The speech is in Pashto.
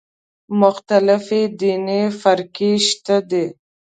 مختلفې دیني فرقې شته دي.